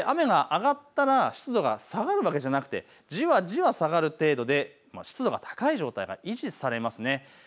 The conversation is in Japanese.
雨が上がったら湿度が下がるわけじゃなくて、じわじわ下がる程度で湿度が高い状態が維持されます。